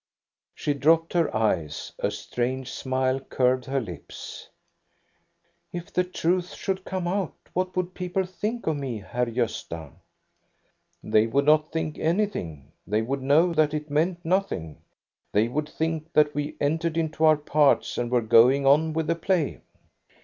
She dropped her eyes. A strange smile curved her lips. " If the truth should come out, what would people think of me, Herr Gosta?" "They would not think anything. They would know that it meant nothing. They would think that we entered into our parts and were going on with the play."